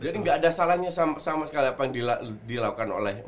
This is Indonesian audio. jadi gak ada salahnya sama sekali apa yang dilakukan